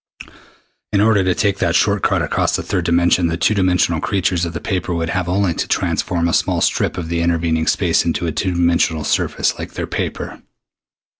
In order to take that short cut across the third dimension the two dimensional creatures of the paper would have only to transform a small strip of the intervening space into a two dimensional surface like their paper.